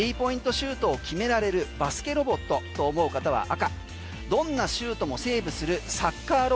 シュートを決められるバスケロボットと思う方は赤。